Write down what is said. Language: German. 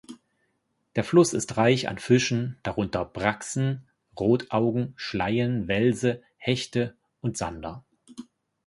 Der Fluss ist reich an Fischen, darunter Brachsen, Rotaugen, Schleien, Welse, Hechte und Sander.